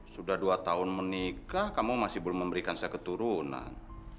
sudah dua tahun menikah kamu masih belum memberikan saya keturunan